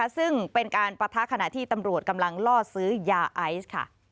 ซึ่งเป็นการปะทะขณะที่ตำรวจกำลังล่อซื้อยาไอซ์ค่ะ